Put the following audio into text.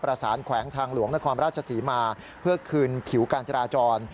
แขวงทางหลวงนครราชศรีมาเพื่อคืนผิวการจราจร